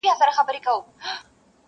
پروت په سترګو کي مي رنګ رنګ د نسو دی,